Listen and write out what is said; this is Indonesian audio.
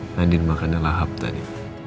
nanti dimakan lahap tadi